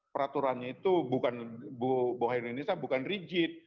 peraturannya itu bukan bu hayar indonesia bukan rigid